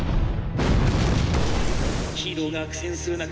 「ヒーローが苦戦する中